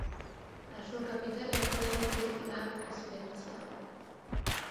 A súa capital é a cidade de La Spezia.